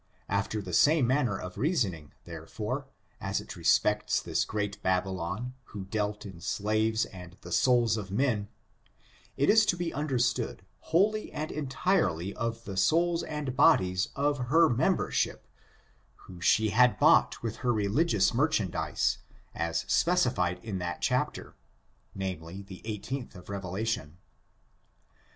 After the same manner of reasoning, therefore, aa it respects ^^^^^^^^^^ 340 ORIGIN, CHAKACTEB, AND this ^^ great Babylon^^^ who dealt in slaves and the souls of men, it is to be understood, wholly and en tirely of the souls and bodies of her membership, who she had bought with her religious merchandize, as specified in that chapter, namely, the 18th of Reve lation.